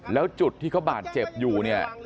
แล้วจุดที่เขาบาดเจ็บอยู่เนี่ย